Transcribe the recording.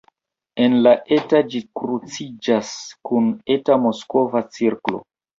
En la urbo ĝi kruciĝas kun Eta Moskva cirklo.